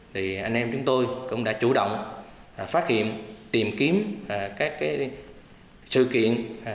thì anh em chúng tôi cũng đã chủ động phát hiện tìm kiếm các sự kiện